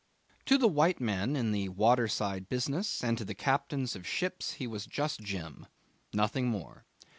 To the white men in the waterside business and to the captains of ships he was just Jim nothing more.